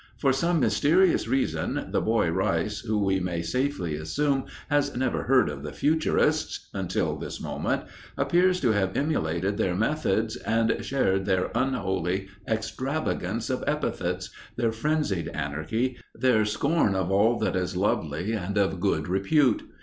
For some mysterious reason, the boy Rice, who we may safely assume has never heard of the Futurists until this moment, appears to have emulated their methods and shared their unholy extravagance of epithets, their frenzied anarchy, their scorn of all that is lovely and of good repute.